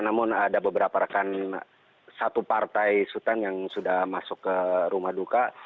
namun ada beberapa rekan satu partai sultan yang sudah masuk ke rumah duka